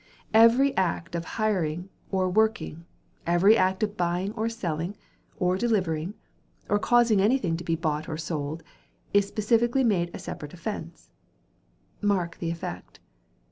Every act of hiring or working, every act of buying or selling, or delivering, or causing anything to be bought or sold, is specifically made a separate offence—mark the effect.